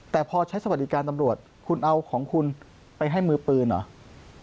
แต่พอใช้สวัสดิการตำรวจคุณเอาของคุณไปให้มือปืนเหรอ